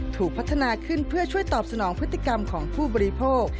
ถูกพัฒนาขึ้นเพื่อช่วยตอบสนองพฤติกรรมของผู้บริโภค